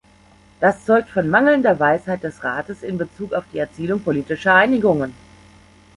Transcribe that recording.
Das zeugt von mangelnder Weisheit des Rates in bezug auf die Erzielung politischer Einigungen.